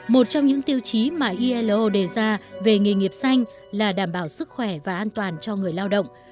một trong những tiêu chí mà ilo đề ra về nghề nghiệp xanh là đảm bảo sức khỏe và an toàn cho người lao động